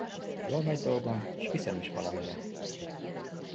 Jól megy dolgom, s viszem is valamire!